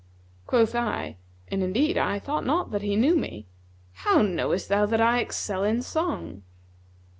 Quoth I (and indeed I thought not that he knew me), 'How knowest thou that I excel in song?'